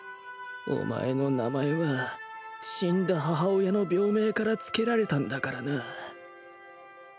お前の名前は死んだ母親の病名からつけられたんだからなぁ